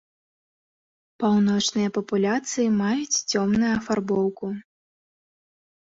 Паўночныя папуляцыі маюць цёмную афарбоўку.